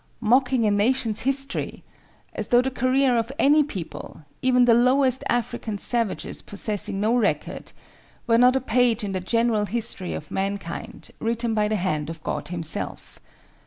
Mocking a nation's history!—as though the career of any people—even of the lowest African savages possessing no record—were not a page in the general history of mankind, written by the hand of God Himself.